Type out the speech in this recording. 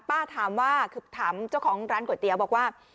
ถามว่าคือถามเจ้าของร้านก๋วยเตี๋ยวบอกว่า